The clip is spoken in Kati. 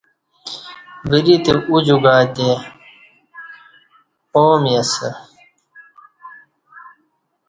وری تہ اُجو گاتے او می اسہ